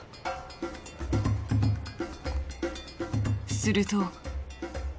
すると。